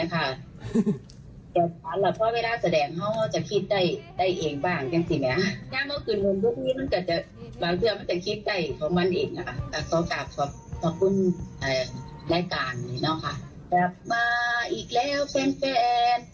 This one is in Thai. นะคะสอบกราบขอบขอบคุณอ่านายการเนอะค่ะแล้วมาอีกแล้วแฟนแฟน